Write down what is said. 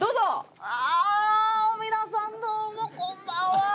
皆さんどうもこんばんは。